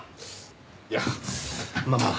いやまあまあ。